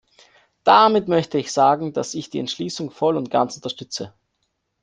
Damit möchte ich sagen, dass ich die Entschließung voll und ganz unterstütze.